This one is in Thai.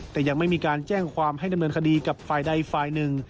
แต่ยังไม่มีการแจ้งความให้ดำเนินคดีกับฝ่ายใดฝ่ายหนึ่ง